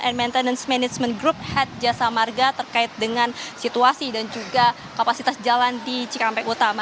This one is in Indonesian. and maintenance management group head jasa marga terkait dengan situasi dan juga kapasitas jalan di cikampek utama